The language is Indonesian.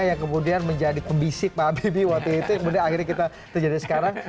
yang kemudian menjadi pembisik pak habibie waktu itu yang kemudian akhirnya kita terjadi sekarang